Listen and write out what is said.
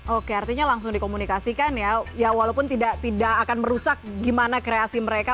oke artinya langsung dikomunikasikan ya walaupun tidak akan merusak gimana kreasi mereka